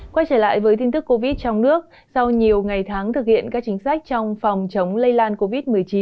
quay trở lại với tin tức covid trong nước sau nhiều ngày tháng thực hiện các chính sách trong phòng chống lây lan covid một mươi chín